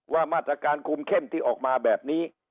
ว่ามาตรการคุมเข้มที่ออกมาแบบนี้